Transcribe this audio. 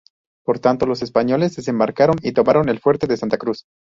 Por tanto, los españoles desembarcaron y tomaron el Fuerte de Santa Cruz.